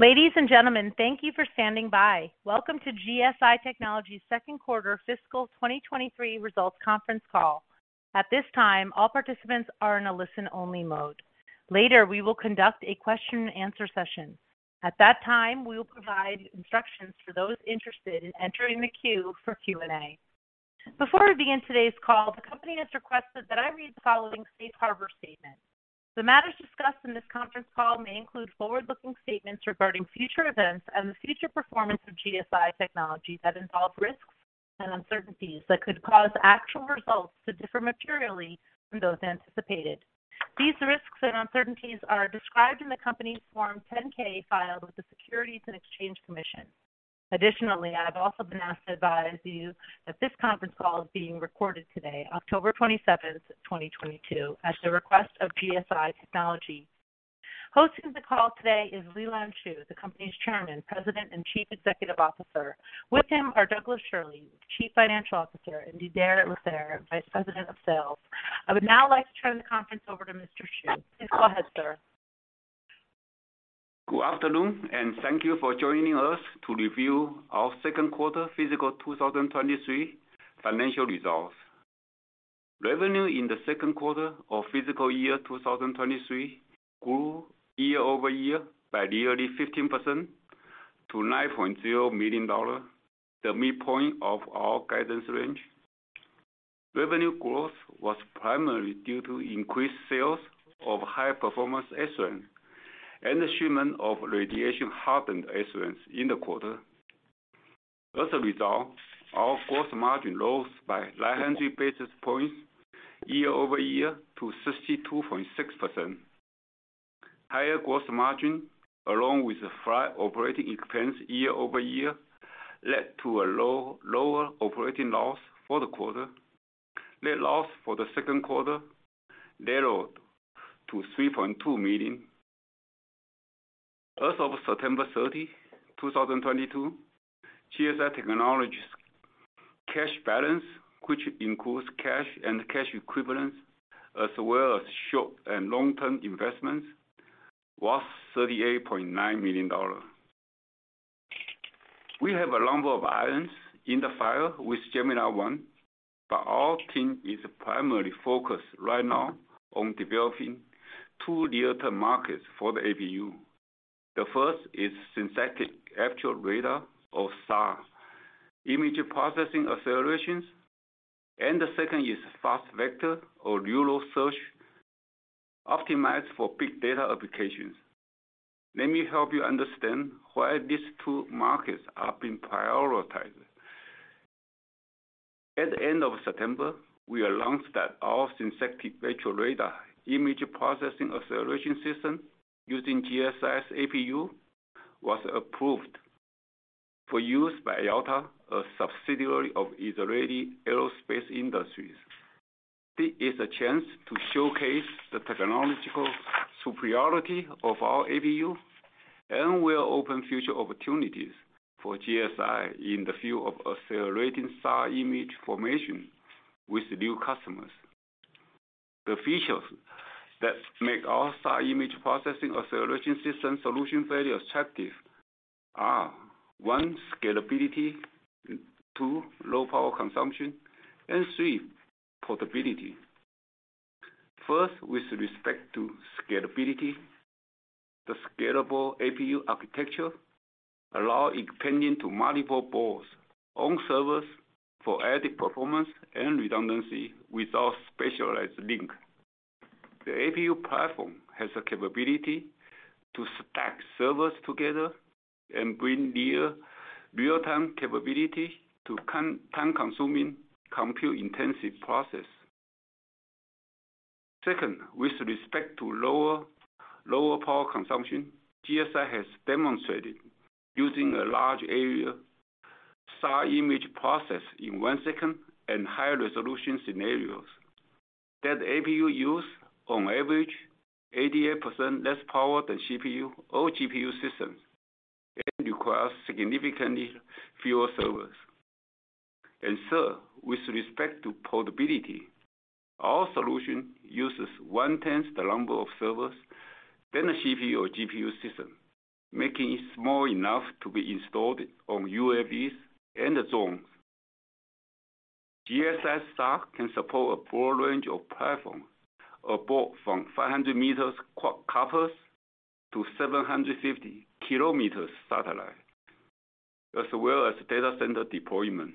Ladies and gentlemen, thank you for standing by. Welcome to GSI Technology Second Quarter Fiscal 2023 Rresults Conference Call. At this time, all participants are in a listen-only mode. Later, we will conduct a question and answer session. At that time, we will provide instructions for those interested in entering the queue for Q&A. Before we begin today's call, the company has requested that I read the following safe harbor statement. The matters discussed in this conference call may include forward-looking statements regarding future events and the future performance of GSI Technology that involve risks and uncertainties that could cause actual results to differ materially from those anticipated. These risks and uncertainties are described in the company's Form 10-K filed with the Securities and Exchange Commission. Additionally, I've also been asked to advise you that this conference call is being recorded today, October 27, 2023, at the request of GSI Technology. Hosting the call today is Lee-Lean Shu, the company's Chairman, President, and Chief Executive Officer. With him are Douglas Schirle, Chief Financial Officer, and Didier Lasserre, Vice President of Sales. I would now like to turn the conference over to Mr. Shu. Please go ahead, sir. Good afternoon, and thank you for joining us to review our second quarter fiscal 2023 financial results. Revenue in the second quarter of fiscal year 2023 grew year-over-year by nearly 15% to $9.0 million, the midpoint of our guidance range. Revenue growth was primarily due to increased sales of high-performance SRAMs and the shipment of radiation-hardened SRAMs in the quarter. As a result, our gross margin rose by 900 basis points year-over-year to 62.6%. Higher gross margin, along with flat operating expense year-over-year, led to a lower operating loss for the quarter. Net loss for the second quarter narrowed to $3.2 million. As of September 30, 2022, GSI Technology's cash balance, which includes cash and cash equivalents, as well as short- and long-term investments, was $38.9 million. We have a number of items in the file with Gemini-I, but our team is primarily focused right now on developing two near-term markets for the APU. The first is synthetic aperture radar or SAR image processing acceleration, and the second is fast vector or neural search optimized for big data applications. Let me help you understand why these two markets are being prioritized. At the end of September, we announced that our synthetic aperture radar image processing acceleration system using GSI's APU was approved for use by Elta, a subsidiary of Israel Aerospace Industries. This is a chance to showcase the technological superiority of our APU and will open future opportunities for GSI in the field of accelerating SAR image formation with new customers. The features that make our SAR image processing acceleration system solution very attractive are one, scalability, two, low power consumption, and three, portability. First, with respect to scalability, the scalable APU architecture allow expanding to multiple boards on servers for added performance and redundancy without specialized link. The APU platform has the capability to stack servers together and bring near real-time capability to compute-time-consuming, compute intensive process. Second, with respect to lower power consumption, GSI has demonstrated using a large area SAR image processing in 1 second and higher resolution scenarios. That APU use on average 88% less power than CPU or GPU systems and requires significantly fewer servers. And third, with respect to portability, our solution uses 1/10 the number of servers than a CPU or GPU system, making it small enough to be installed on UAVs and drones. GSI solution can support a broad range of platforms, from 500-meter quadcopters to 750 km satellite, as well as data center deployment.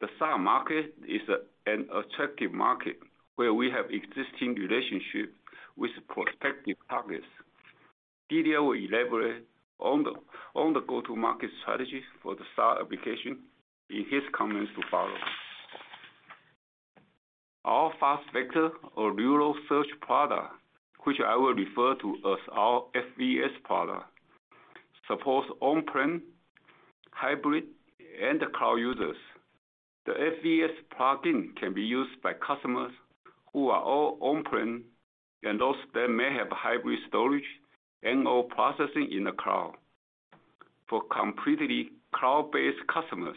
The SAR market is an attractive market where we have existing relationships with prospective targets. Didier will elaborate on the go-to-market strategy for the SAR application in his comments to follow. Our Fast Vector, our neural search product, which I will refer to as our FVS product, supports on-prem, hybrid, and cloud users. The FVS plugin can be used by customers who are all on-prem and those that may have hybrid storage and/or processing in the cloud. For completely cloud-based customers,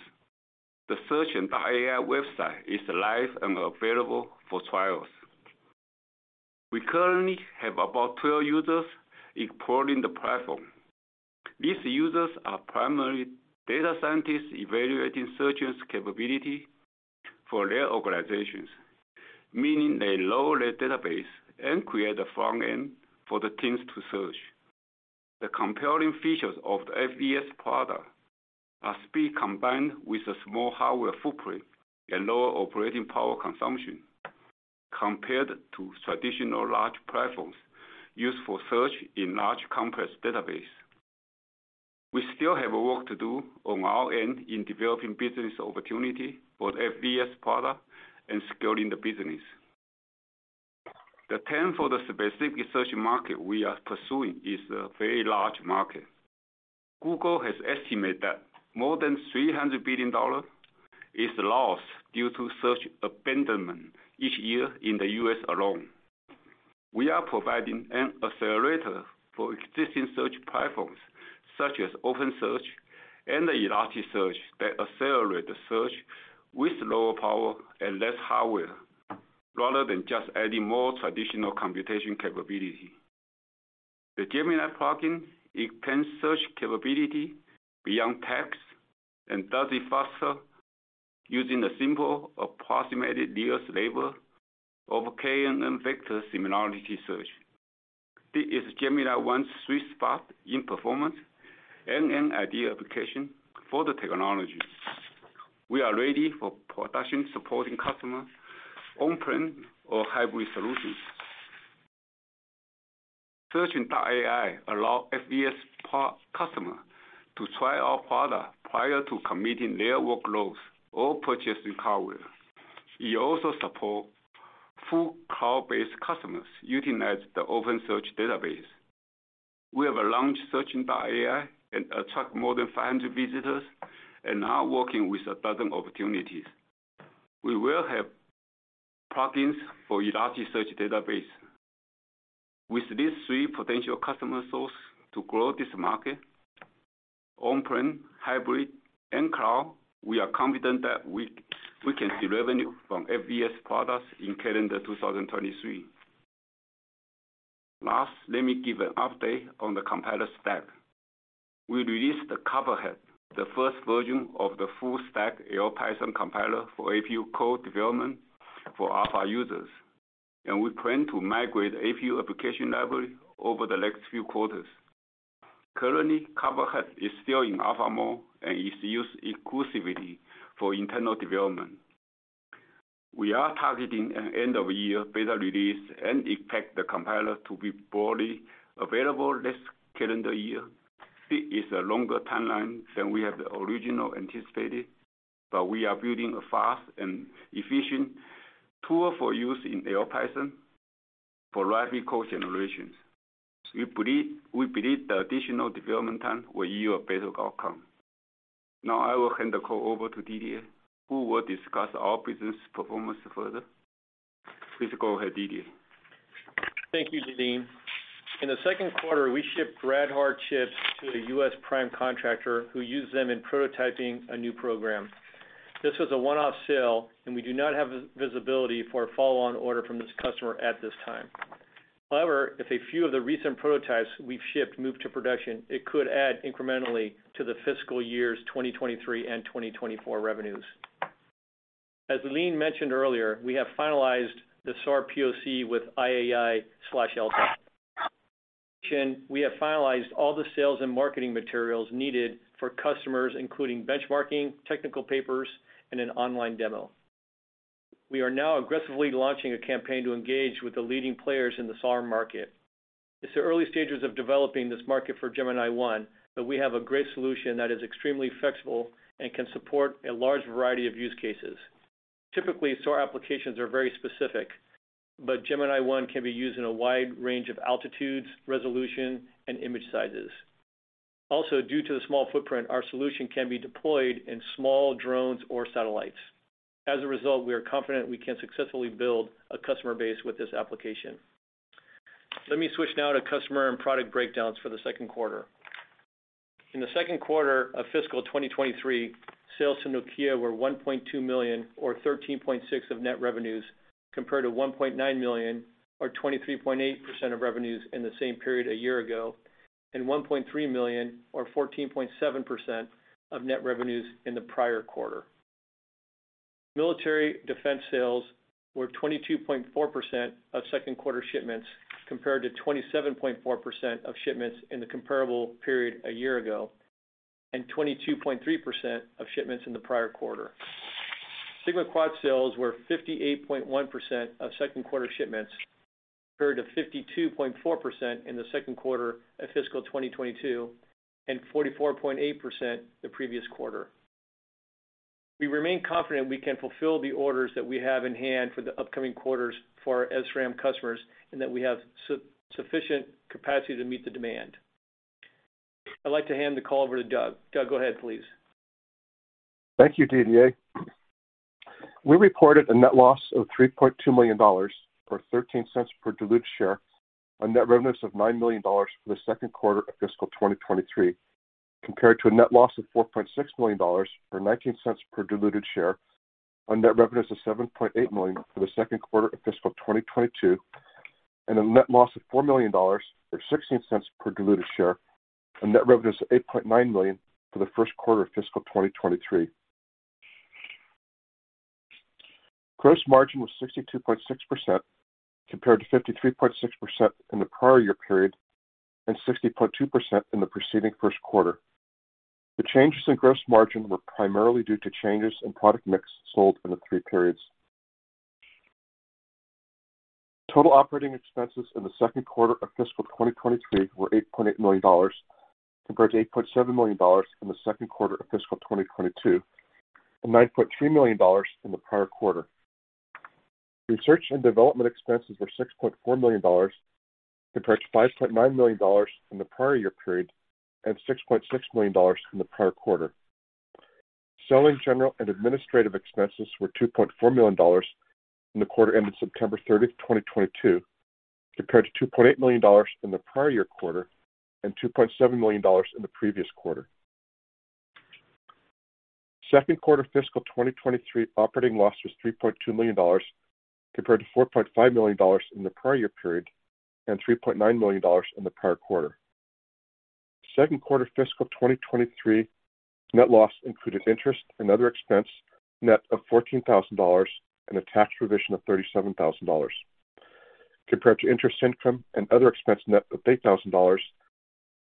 the Search and AI website is live and available for trials. We currently have about 12 users exploring the platform. These users are primarily data scientists evaluating search engine's capability for their organizations, meaning they load their database and create a front end for the teams to search. The compelling features of the FVS product are speed combined with a small hardware footprint and lower operating power consumption compared to traditional large platforms used for search in large complex database. We still have work to do on our end in developing business opportunity for the FVS product and scaling the business. The TAM for the specific search market we are pursuing is a very large market. Google has estimated that more than $300 billion is lost due to search abandonment each year in the U.S. alone. We are providing an accelerator for existing search platforms such as OpenSearch and Elasticsearch that accelerate the search with lower power and less hardware, rather than just adding more traditional computation capability. The Gemini plugin extends search capability beyond text and does it faster using a simple approximate nearest neighbor or KNN vector similarity search. This is Gemini-I sweet spot in performance and an ideal application for the technology. We are ready for production supporting customers on-prem or hybrid solutions. Searchium.ai allow FVS POC customer to try our product prior to committing their workloads or purchasing hardware. It also support full cloud-based customers utilizing the OpenSearch database. We have launched Searchium.ai and attracted more than 500 visitors and are working with a dozen opportunities. We will have plugins for Elasticsearch database. With these three potential customer sources to grow this market, on-prem, hybrid, and cloud, we are confident that we can see revenue from FVS products in calendar 2023. Last, let me give an update on the compiler stack. We released the Copperhead, the first version of the full-stack LPython compiler for APU code development for alpha users. We plan to migrate APU application library over the next few quarters. Currently, Copperhead is still in alpha mode and is used exclusively for internal development. We are targeting an end of year beta release and expect the compiler to be broadly available this calendar year. This is a longer timeline than we had originally anticipated, but we are building a fast and efficient tool for use in LPython for rapid code generations. We believe the additional development time will yield a better outcome. Now I will hand the call over to Didier, who will discuss our business performance further. Please go ahead, Didier. Thank you, Lee-Lean. In the second quarter, we shipped rad-hard chips to a U.S. prime contractor who used them in prototyping a new program. This was a one-off sale, and we do not have visibility for a follow-on order from this customer at this time. However, if a few of the recent prototypes we've shipped move to production, it could add incrementally to the fiscal years 2023 and 2024 revenues. As Lee-Lean mentioned earlier, we have finalized the SAR POC with IAI/Elta. We have finalized all the sales and marketing materials needed for customers, including benchmarking, technical papers, and an online demo. We are now aggressively launching a campaign to engage with the leading players in the SAR market. It's the early stages of developing this market for Gemini-I, but we have a great solution that is extremely flexible and can support a large variety of use cases. Typically, SAR applications are very specific, but Gemini-I can be used in a wide range of altitudes, resolution, and image sizes. Also, due to the small footprint, our solution can be deployed in small drones or satellites. As a result, we are confident we can successfully build a customer base with this application. Let me switch now to customer and product breakdowns for the second quarter. In the second quarter of fiscal 2023, sales to Nokia were $1.2 million or 13.6% of net revenues, compared to $1.9 million or 23.8% of revenues in the same period a year ago, and $1.3 million or 14.7% of net revenues in the prior quarter. Military defense sales were 22.4% of second quarter shipments, compared to 27.4% of shipments in the comparable period a year ago, and 22.3% of shipments in the prior quarter. SigmaQuad sales were 58.1% of second quarter shipments, compared to 52.4% in the second quarter of fiscal 2022, and 44.8% the previous quarter. We remain confident we can fulfill the orders that we have in hand for the upcoming quarters for our SRAM customers, and that we have sufficient capacity to meet the demand. I'd like to hand the call over to Doug. Doug, go ahead, please. Thank you, Didier.We reported a net loss of $3.2 million or $0.13 per diluted share on net revenues of $9 million for the second quarter of fiscal 2023, compared to a net loss of $4.6 million or $0.19 per diluted share on net revenues of $7.8 million for the second quarter of fiscal 2022 and a net loss of $4 million or $0.16 per diluted share on net revenues of $8.9 million for the first quarter of fiscal 2023. Gross margin was 62.6% compared to 53.6% in the prior year period and 60.2% in the preceding first quarter. The changes in gross margin were primarily due to changes in product mix sold in the three periods. Total operating expenses in the second quarter of fiscal 2023 were $8.8 million, compared to $8.7 million in the second quarter of fiscal 2022 and $9.3 million in the prior quarter. Research and development expenses were $6.4 million, compared to $5.9 million in the prior year period and $6.6 million in the prior quarter. Selling, general and administrative expenses were $2.4 million in the quarter ending September 30, 2022, compared to $2.8 million in the prior year quarter and $2.7 million in the previous quarter. Second quarter fiscal 2023 operating loss was $3.2 million, compared to $4.5 million in the prior year period and $3.9 million in the prior quarter. Second quarter fiscal 2023 net loss included interest and other expense, net of $14,000 and a tax provision of $37,000, compared to interest income and other expense, net of $8,000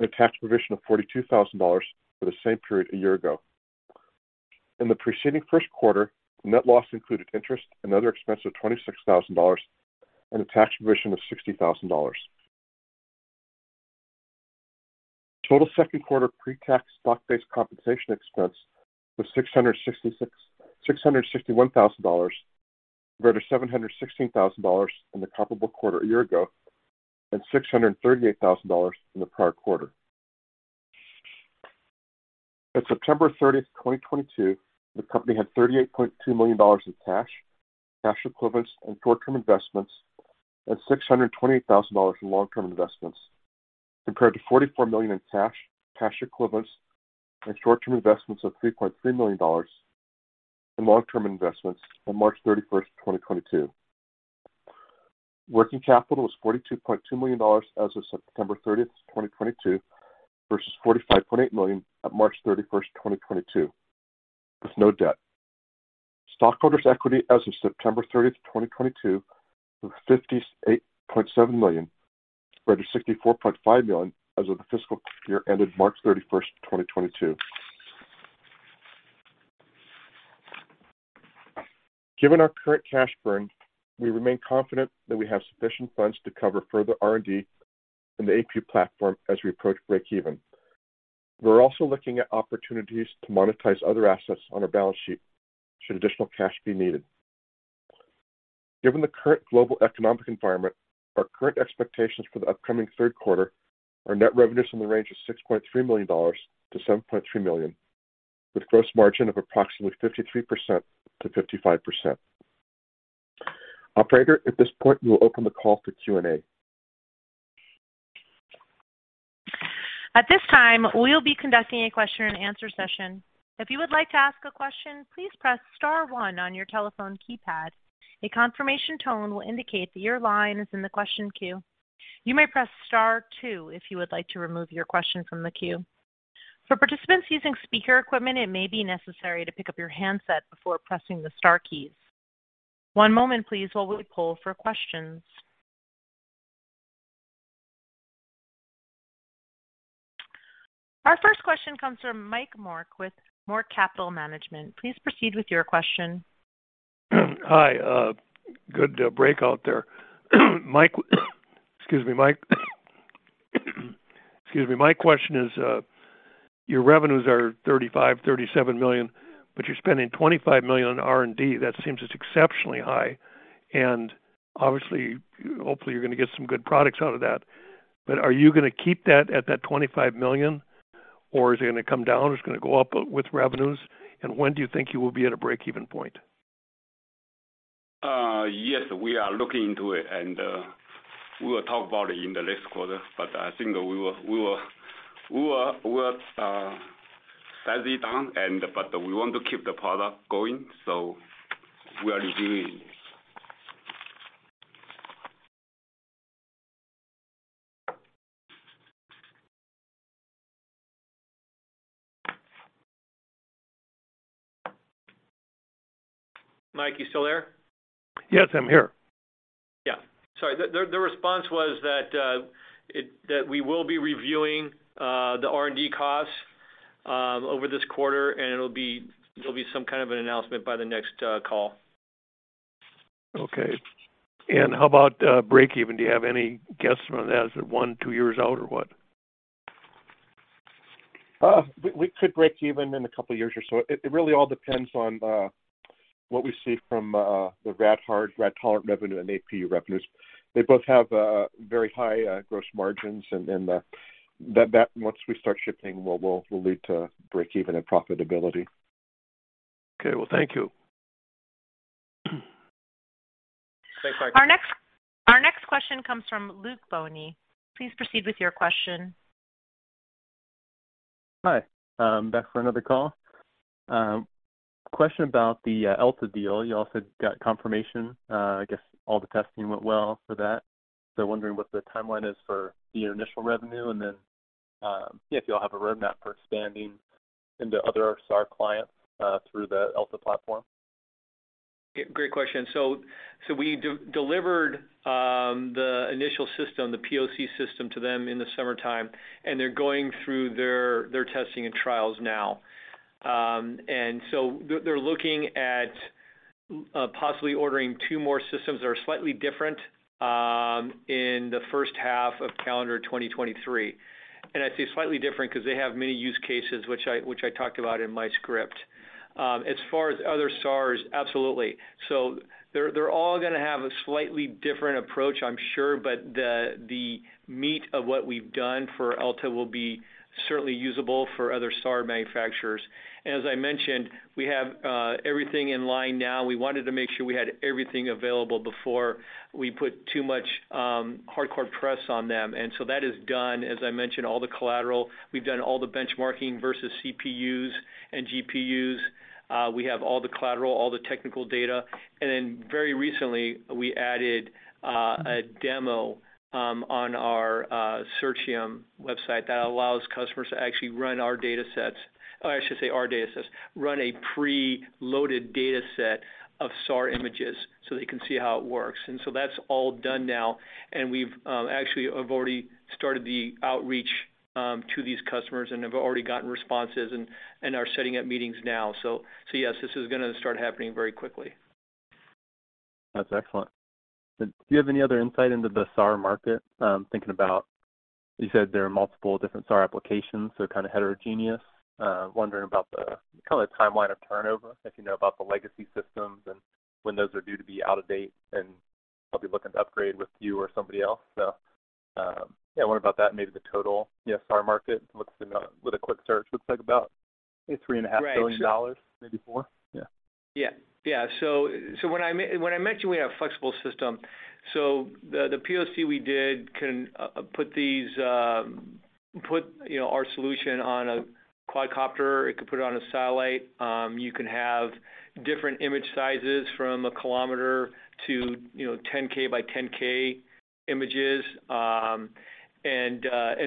and a tax provision of $42,000 for the same period a year ago. In the preceding first quarter, net loss included interest and other expenses of $26,000 and a tax provision of $60,000. Total second quarter pre-tax stock-based compensation expense was $661,000 compared to $716,000 in the comparable quarter a year ago, and $638,000 in the prior quarter. At September 30, 2022, the company had $38.2 million in cash equivalents and short-term investments, and $628,000 in long-term investments, compared to $44 million in cash equivalents and short-term investments and $3.3 million in long-term investments on March 31, 2022. Working capital was $42.2 million as of September 30, 2022 versus $45.8 million at March 31, 2022, with no debt. Stockholders' equity as of September 30, 2022 was $58.7 million compared to $64.5 million as of the fiscal year ended March 31, 2022. Given our current cash burn, we remain confident that we have sufficient funds to cover further R&D in the APU platform as we approach breakeven. We're also looking at opportunities to monetize other assets on our balance sheet should additional cash be needed. Given the current global economic environment, our current expectations for the upcoming third quarter are net revenues in the range of $6.3 million-$7.3 million, with gross margin of approximately 53%-55%. Operator, at this point, we will open the call for Q&A. At this time, we'll be conducting a question and answer session. If you would like to ask a question, please press star one on your telephone keypad. A confirmation tone will indicate that your line is in the question queue. You may press star two if you would like to remove your question from the queue. For participants using speaker equipment, it may be necessary to pick up your handset before pressing the star keys. One moment please while we poll for questions. Our first question comes from Mike Mork with Mork Capital Management. Please proceed with your question. Hi. Good break out there. My.. Excuse me, my... Excuse me. My question is, your revenues are $35 million-$37 million, but you're spending $25 million on R&D. That seems just exceptionally high. Obviously, hopefully you're gonna get some good products out of that. Are you gonna keep that at that $25 million or is it gonna come down or is it gonna go up with revenues? When do you think you will be at a breakeven point? Yes, we are looking into it and we will talk about it in the next quarter. I think we will size it down, but we want to keep the product going, so we are reviewing. Mike, you still there? Yes, I'm here. Yeah. Sorry. The response was that we will be reviewing the R&D costs over this quarter, and there'll be some kind of an announcement by the next call. Okay. How about breakeven? Do you have any guess on as one, two years out or what? We could break even in a couple of years or so. It really all depends on what we see from the rad-hard, rad-tolerant revenue and APU revenues. They both have very high gross margins and That once we start shipping will lead to breakeven and profitability. Okay. Well, thank you. Thanks, Michael. Our next question comes from Luke Boney. Please proceed with your question. Hi. Back for another call. Question about the Elta deal. You also got confirmation, I guess all the testing went well for that. Wondering what the timeline is for the initial revenue and then, if you all have a roadmap for expanding into other SAR clients through the Elta platform? Great question. We delivered the initial system, the POC system to them in the summertime, and they're going through their testing and trials now. They're looking at possibly ordering two more systems that are slightly different in the first half of calendar 2023. I say slightly different 'cause they have many use cases which I talked about in my script. As far as other SARs, absolutely. They're all gonna have a slightly different approach, I'm sure, but the meat of what we've done for Elta will be certainly usable for other SAR manufacturers. As I mentioned, we have everything in line now. We wanted to make sure we had everything available before we put too much hardcore press on them. That is done. As I mentioned, all the collateral, we've done all the benchmarking versus CPUs and GPUs. We have all the collateral, all the technical data. Very recently, we added a demo on our Gemini website that allows customers to actually run a pre-loaded data set of SAR images so they can see how it works. That's all done now. We've actually have already started the outreach to these customers and have already gotten responses and are setting up meetings now. Yes, this is gonna start happening very quickly. That's excellent. Do you have any other insight into the SAR market? Thinking about what you said there are multiple different SAR applications, so kind of heterogeneous. Wondering about the kind of timeline of turnover, if you know about the legacy systems and when those are due to be out of date and probably looking to upgrade with you or somebody else. What about that and maybe the total SAR market. You know, with a quick search, looks like about maybe $3.5 billion. Right. Sure. Maybe more. Yeah. Yeah. Yeah. When I mention we have flexible system, the POC we did can put our solution on a quadcopter, it could put it on a satellite. You can have different image sizes from a kilometer to 10K by 10K images. So, yeah,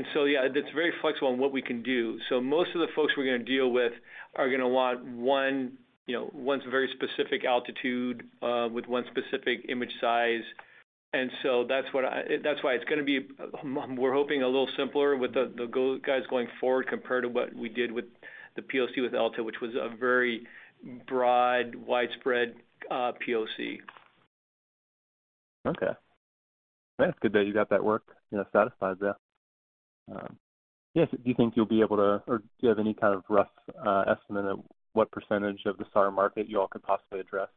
that's very flexible on what we can do. Most of the folks we're gonna deal with are gonna want one, you know, one very specific altitude with one specific image size. That's why we're hoping a little simpler with the guys going forward compared to what we did with the POC with Elta, which was a very broad, widespread POC. Okay. That's good that you got that work, you know, satisfied there. Yes, do you think you'll be able to or do you have any kind of rough estimate of what percentage of the SAR market you all could possibly address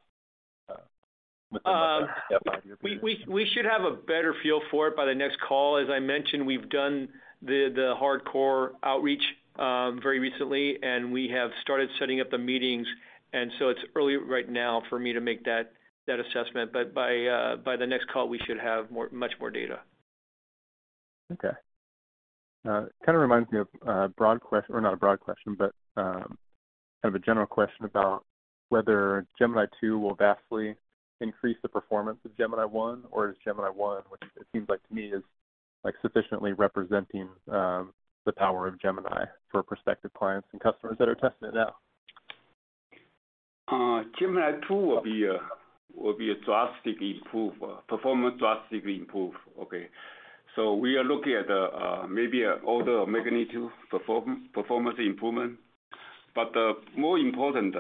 within the next five years? We should have a better feel for it by the next call. As I mentioned, we've done the hardcore outreach very recently, and we have started setting up the meetings, and so it's early right now for me to make that assessment. By the next call, we should have much more data. Kind of reminds me of not a broad question, but kind of a general question about whether Gemini-II will vastly increase the performance of Gemini-I, or is Gemini-I, which it seems like to me is like sufficiently representing the power of Gemini for prospective clients and customers that are testing it out. Gemini-II will be a drastic improvement. Performance will drastically improve, okay? We are looking at maybe a order of magnitude performance improvement. More important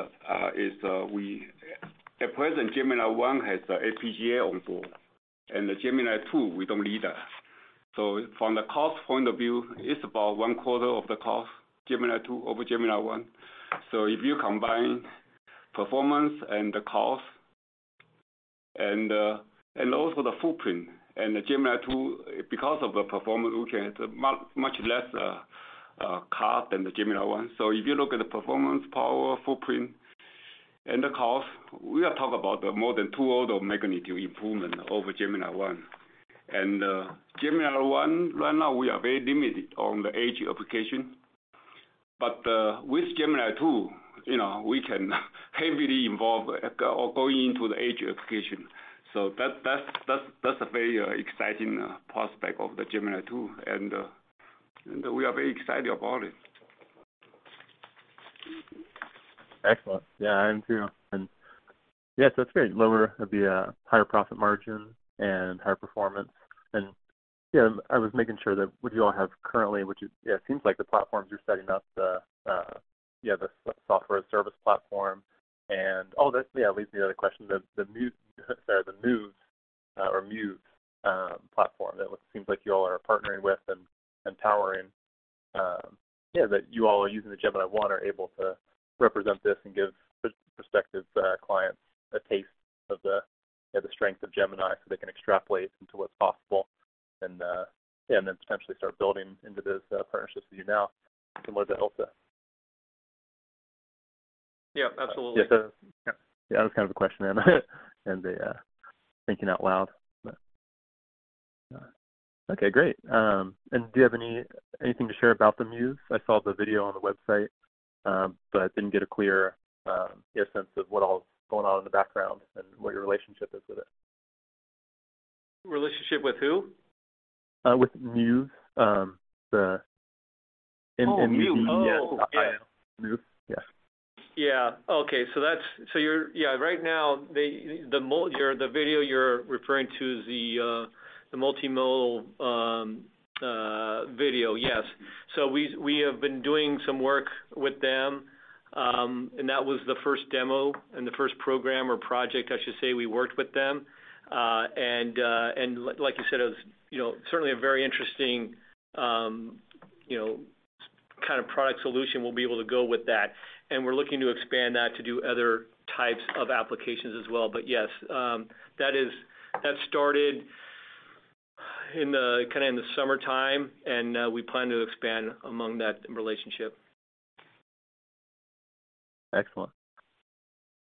is at present, Gemini-I has a FPGA on board, and the Gemini-II, we don't need that. From the cost point of view, it's about one quarter of the cost, Gemini-II over Gemini-I. If you combine performance and the cost and also the footprint, and the Gemini-II, because of the performance, we can have a much, much less cost than the Gemini-I. If you look at the performance, power, footprint, and the cost, we are talking about more than two order of magnitude improvement over Gemini-I. Gemini-I, right now we are very limited on the Edge application. With Gemini-II, you know, we can heavily involve or go into the Edge application. That's a very exciting prospect of the Gemini-II. We are very excited about it. Excellent. Yeah, I am too. Yeah, it's very low power, the higher profit margin and higher performance. Yeah, I was making sure that what you all have currently, which is, it seems like the platforms you're setting up, the software service platform and. Oh, that leads to the other question. The Muves platform that seems like you all are partnering with and powering. Yeah, that you all are using the Gemini-I are able to represent this and give perspective to our clients a taste of the strength of Gemini so they can extrapolate into what's possible and then potentially start building into those partnerships with you now similar to Elta. Yeah, absolutely. Yeah. That was kind of the question then and the thinking out loud, but. Okay, great. Do you have anything to share about the Muves? I saw the video on the website, but didn't get a clear sense of what all is going on in the background and what your relationship is with it. Relationship with who? With Muves. Oh, Muves. Oh. Muves, yeah. Yeah. Okay. Yeah, right now, the video you're referring to is the multimodal video. Yes. We have been doing some work with them, and that was the first demo and the first program or project, I should say, we worked with them. Like you said, it was, you know, certainly a very interesting, you know, kind of product solution we'll be able to go with that. We're looking to expand that to do other types of applications as well. Yes, that is. That started kind of in the summertime, and we plan to expand upon that relationship. Excellent.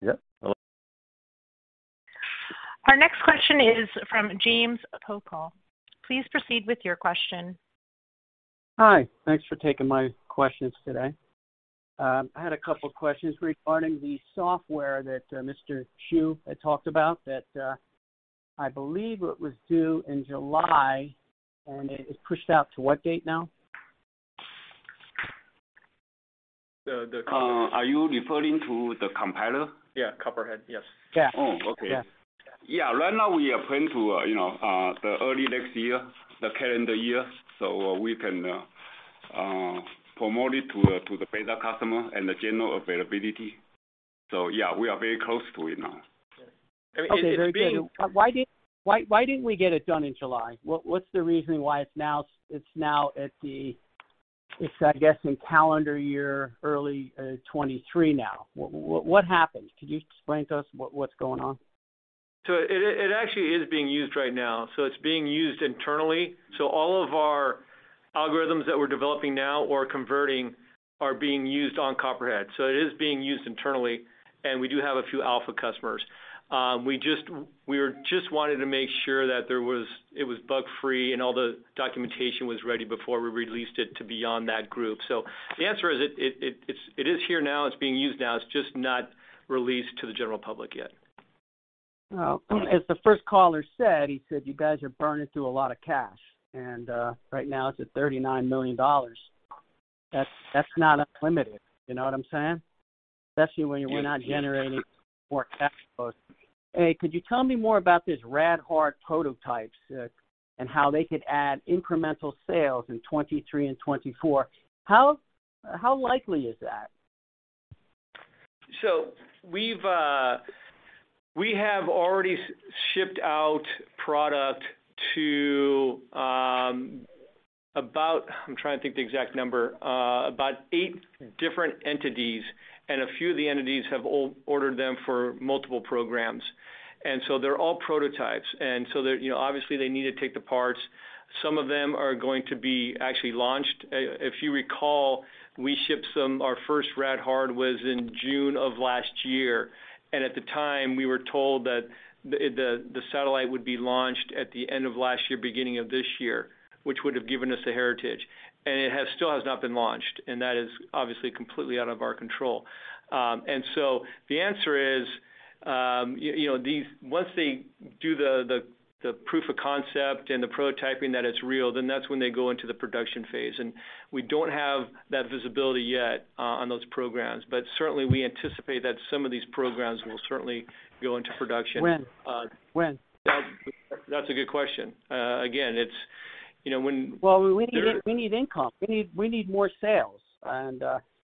Yep. Our next question is from James Pasquale. Please proceed with your question. Hi. Thanks for taking my questions today. I had a couple of questions regarding the software that Mr. Shu had talked about that I believe it was due in July, and it is pushed out to what date now? The, the... Are you referring to the compiler? Yeah, Copperhead. Yes. Yeah. Oh, okay. Yeah. Yeah. Right now we are planning to, you know, the early next year, the calendar year, so we can promote it to the beta customer and the general availability. Yeah, we are very close to it now. Okay. Very good. It's being- Why didn't we get it done in July? What's the reasoning why it's now at the, I guess, in calendar year early 2023 now. What happened? Could you explain to us what's going on? It actually is being used right now. It's being used internally. All of our algorithms that we're developing now or converting are being used on Copperhead. It is being used internally, and we do have a few alpha customers. We were just wanting to make sure it was bug-free and all the documentation was ready before we released it to beyond that group. The answer is, it is here now. It's being used now. It's just not released to the general public yet. Well, as the first caller said, he said, you guys are burning through a lot of cash, and right now it's at $39 million. That's not unlimited. You know what I'm saying? Especially when you're not generating more cash flows. Could you tell me more about these rad-hard prototypes, and how they could add incremental sales in 2023 and 2024? How likely is that? We've already shipped out product to about eight different entities, and a few of the entities have ordered them for multiple programs. They're all prototypes. They're, you know, obviously they need to take the parts. Some of them are going to be actually launched. If you recall, we shipped some. Our first rad-hard was in June of last year, and at the time, we were told that the satellite would be launched at the end of last year, beginning of this year, which would have given us a heritage. It still has not been launched, and that is obviously completely out of our control. The answer is, you know, these, once they do the proof of concept and the prototyping that it's real, then that's when they go into the production phase. We don't have that visibility yet on those programs. Certainly we anticipate that some of these programs will certainly go into production. When? That's a good question. Again, it's you know when Well, we need income. We need more sales.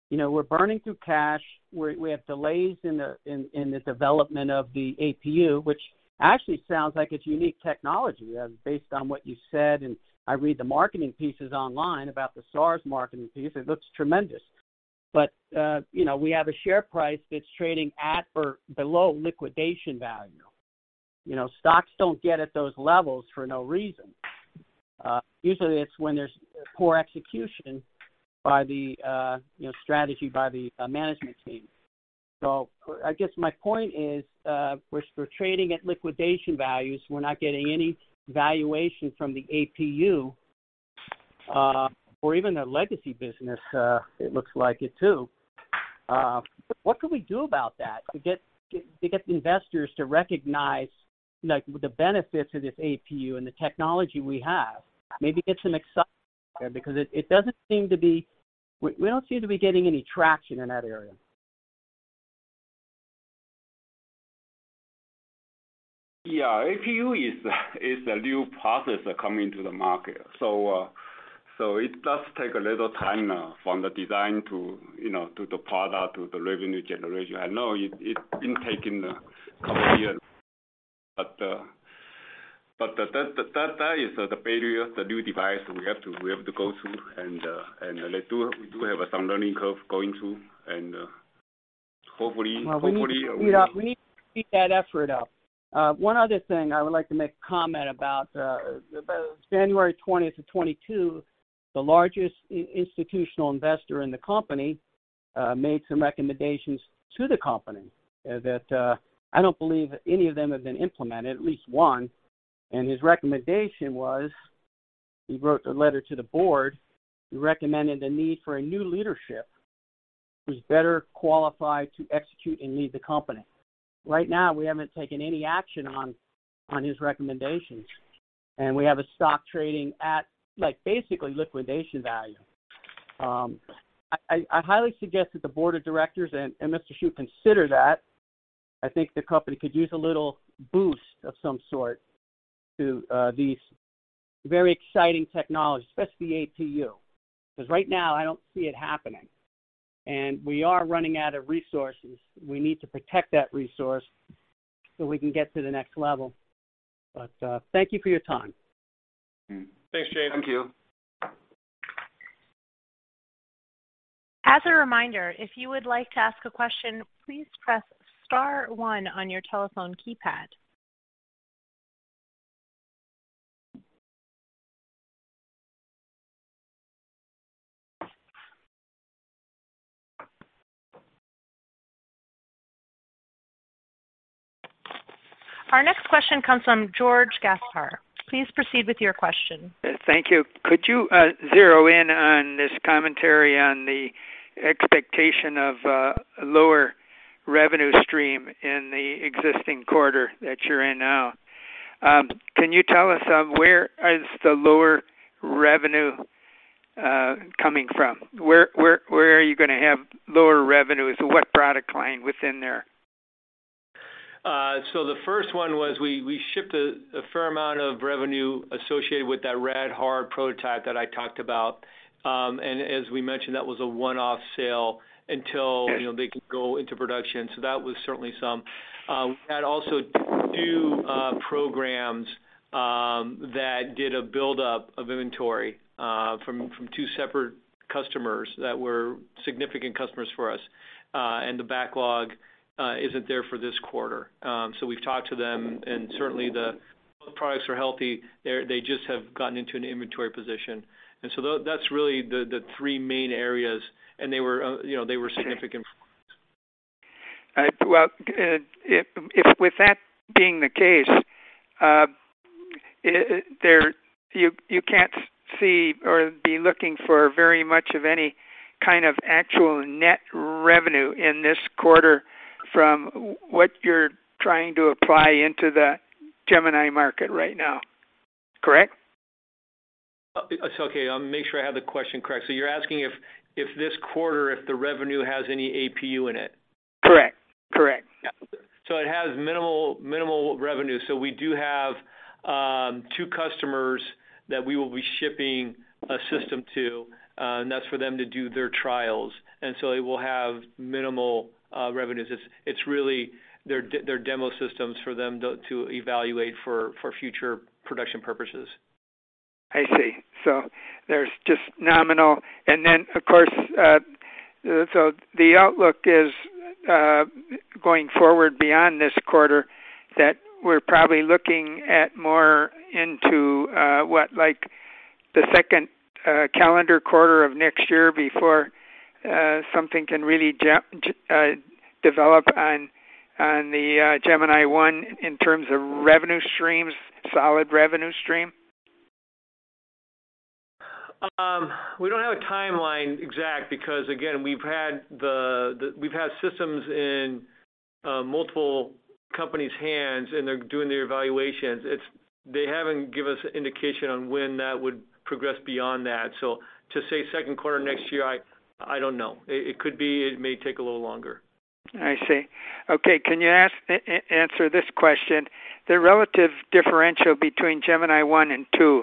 You know, we're burning through cash. We have delays in the development of the APU, which actually sounds like it's unique technology based on what you said, and I read the marketing pieces online about the GSI's marketing piece, it looks tremendous. You know, we have a share price that's trading at or below liquidation value. You know, stocks don't get at those levels for no reason. Usually it's when there's poor execution or strategy by the management team. I guess my point is, we're trading at liquidation values. We're not getting any valuation from the APU or even the legacy business, it looks like it too. What can we do about that to get the investors to recognize, like, the benefits of this APU and the technology we have? Maybe get some excitement there because it doesn't seem to be. We don't seem to be getting any traction in that area. Yeah. APU is a new process coming to the market. It does take a little time from the design to, you know, to the product, to the revenue generation. I know it's been taking a couple years, but, that is the barrier, the new device we have to go through and we do have some learning curve going through and hopefully we- Well, we need to speed up. We need to speed that effort up. One other thing I would like to make comment about January twentieth to twenty-two, the largest institutional investor in the company made some recommendations to the company that I don't believe any of them have been implemented, at least one. His recommendation was, he wrote a letter to the board. He recommended the need for a new leadership who's better qualified to execute and lead the company. Right now, we haven't taken any action on his recommendations, and we have a stock trading at, like, basically liquidation value. I highly suggest that the board of directors and Mr. Shu consider that. I think the company could use a little boost of some sort to these very exciting technologies, especially APU, 'cause right now I don't see it happening. We are running out of resources. We need to protect that resource so we can get to the next level. Thank you for your time. Mm-hmm. Thanks, James. Thank you. As a reminder, if you would like to ask a question, please press star one on your telephone keypad. Our next question comes from George Gaspar. Please proceed with your question. Thank you. Could you zero in on this commentary on the expectation of lower revenue stream in the existing quarter that you're in now? Can you tell us where is the lower revenue coming from? Where are you gonna have lower revenue? What product line within there? The first one was we shipped a fair amount of revenue associated with that rad-hard prototype that I talked about. As we mentioned, that was a one-off sale until You know, they could go into production. That was certainly some. We had also two programs that did a build-up of inventory from two separate customers that were significant customers for us, and the backlog isn't there for this quarter. We've talked to them and certainly the products are healthy. They just have gotten into an inventory position. That's really the three main areas. They were, you know, they were significant. Well, if with that being the case, you can't see or be looking for very much of any kind of actual net revenue in this quarter from what you're trying to apply into the Gemini market right now, correct? Okay, I'll make sure I have the question correct. You're asking if this quarter, if the revenue has any APU in it? Correct. Yeah. It has minimal revenue. We do have two customers that we will be shipping a system to, and that's for them to do their trials. It will have minimal revenues. It's really their demo systems for them to evaluate for future production purposes. I see. There's just nominal. Then, of course, so the outlook is going forward beyond this quarter that we're probably looking at more into what? Like, the second calendar quarter of next year before something can really develop on the Gemini-I in terms of revenue streams, solid revenue stream. We don't have a timeline exact, because again, we've had systems in multiple companies' hands, and they're doing their evaluations. They haven't given us indication on when that would progress beyond that. To say second quarter next year, I don't know. It could be, it may take a little longer. I see. Okay, can you answer this question? The relative differential between Gemini-I and II.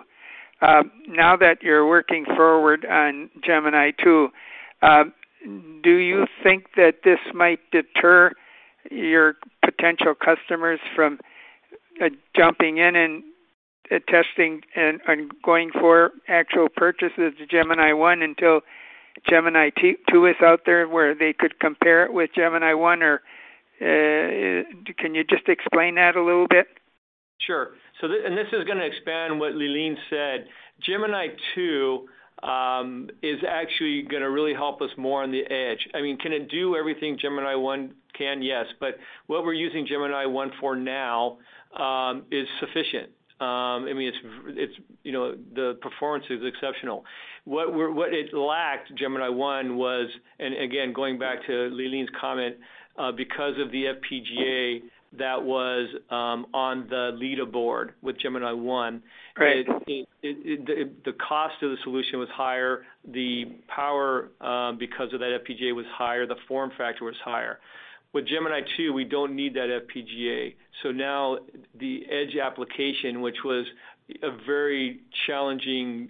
Now that you're working forward on Gemini-II, do you think that this might deter your potential customers from jumping in and testing and going for actual purchases of Gemini-I until Gemini-II is out there where they could compare it with Gemini-I? Or, can you just explain that a little bit? Sure. This is gonna expand what Lee-Lean said. Gemini-II is actually gonna really help us more on the edge. I mean, can it do everything Gemini-I can? Yes. What we're using Gemini-I for now is sufficient. I mean, it's, you know, the performance is exceptional. What it lacked, Gemini-I, was, and again, going back to Lee-Lean Shu's comment, because of the FPGA that was on the Leda board with Gemini-I. Right. The cost of the solution was higher. The power, because of that FPGA, was higher, the form factor was higher. With Gemini-II, we don't need that FPGA. Now the Edge application, which was a very challenging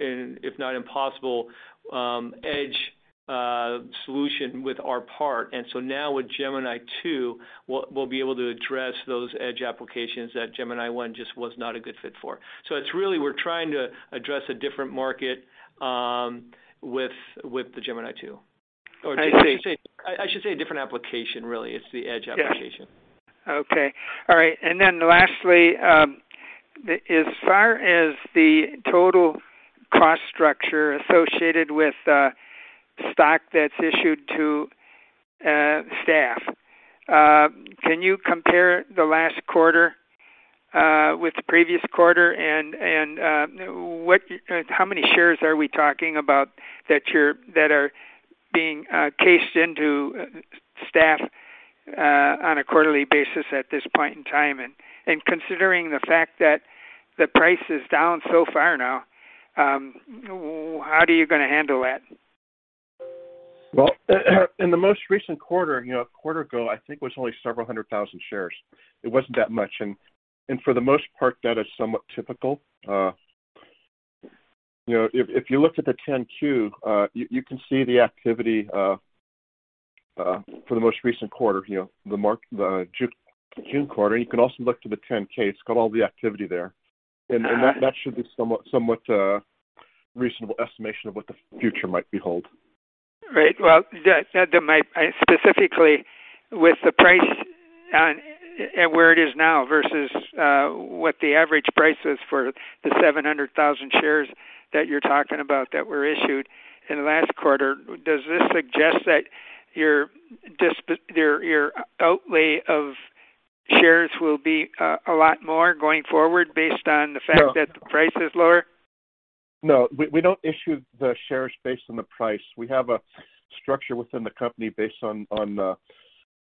and if not impossible, edge solution with our part. Now with Gemini-II, we'll be able to address those Edge applications that Gemini-I just was not a good fit for. It's really we're trying to address a different market with the Gemini-II. I see. I should say a different application really. It's the Edge application. Yes. Okay. All right. Lastly, as far as the total cost structure associated with the stock that's issued to staff, can you compare the last quarter with the previous quarter and what, how many shares are we talking about that are being cashed into staff on a quarterly basis at this point in time? Considering the fact that the price is down so far now, how do you gonna handle that? Well, in the most recent quarter, you know, a quarter ago, I think it was only several hundred thousand shares. It wasn't that much. For the most part that is somewhat typical. You know, if you look at the 10-Q, you can see the activity for the most recent quarter, you know, the March, the June quarter. You can also look to the 10-K. It's got all the activity there. That should be somewhat reasonable estimation of what the future might behold. Well, yeah. Specifically with the price at where it is now versus what the average price is for the 700,000 shares that you're talking about that were issued in the last quarter, does this suggest that your outlay of shares will be a lot more going forward based on the fact that- No. The price is lower? No, we don't issue the shares based on the price. We have a structure within the company based on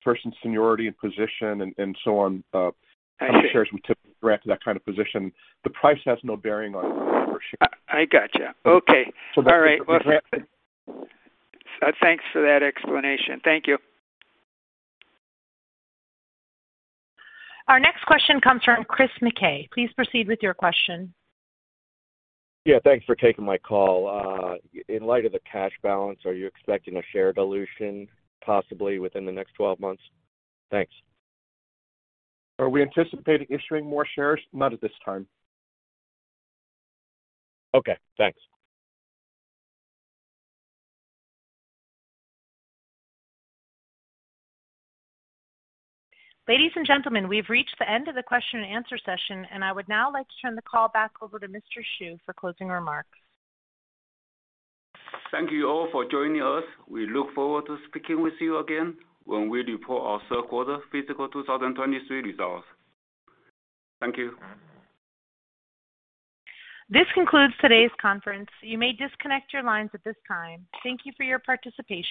person's seniority and position and so on. I see. How many shares we typically grant to that kind of position. The price has no bearing on the number of shares. I gotcha. Okay. All right. That's it. Well, thanks for that explanation. Thank you. Our next question comes from Chris McKay. Please proceed with your question. Yeah, thanks for taking my call. In light of the cash balance, are you expecting a share dilution possibly within the next 12 months? Thanks. Are we anticipating issuing more shares? Not at this time. Okay, thanks. Ladies and gentlemen, we've reached the end of the question and answer session, and I would now like to turn the call back over to Mr. Shu for closing remarks. Thank you all for joining us. We look forward to speaking with you again when we report our third quarter fiscal 2023 results. Thank you. This concludes today's conference. You may disconnect your lines at this time. Thank you for your participation.